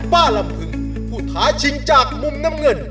ลำพึงผู้ท้าชิงจากมุมน้ำเงิน